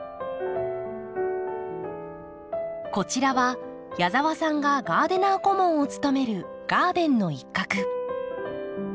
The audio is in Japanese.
こちらは矢澤さんがガーデナー顧問を務めるガーデンの一画。